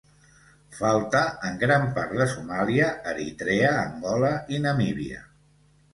Falta en gran part de Somàlia, Eritrea, Angola i Namíbia.